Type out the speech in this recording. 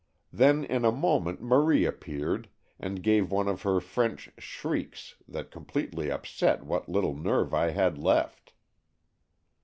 Then in a moment Marie appeared, and gave one of her French shrieks that completely upset what little nerve I had left."